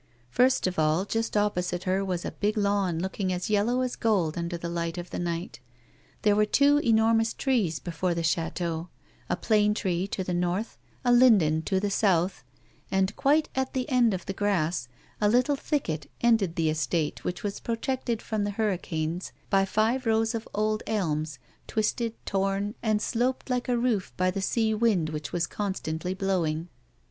First of all, just opposite her, was a big lawn looking us yellow as gold under the light of the night. There were two enormous trees before the chateau, a plane tree to the north, a linden to the south, and quite at the end of tbe grass, a little thicket ended the estate which was protected from the hurricanes by five rows of old elms twisted, torn, and sloped like a roof, by the sea wind which was constantly blowing.